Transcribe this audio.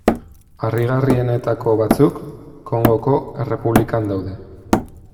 Harrigarrienetako batzuk, Kongoko Errepublikan daude.